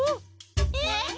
えっ？